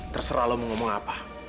terserah lo mau ngomong apa